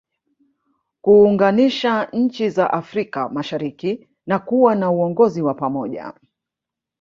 Kuunganisha nchi za Afrika mashariki na kuwa na uongozi wa pamoja